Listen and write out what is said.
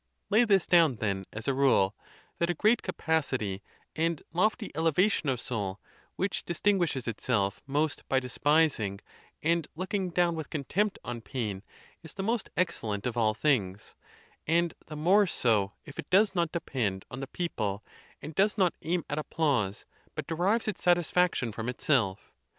Lay this down, then, as a rule, that a great ca pacity, and lofty elevation of soul, which distinguishes it self most by despising and looking down with contempt on pain, is the most excellent of all things, and the more so if it does not depend on the people and does not aim at applause, but derives its satisfaction from itself.